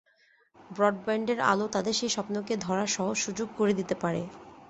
ব্রডব্যান্ডের আলো তাদের সেই স্বপ্নকে ধরার সহজ সুযোগ করে দিতে পারে।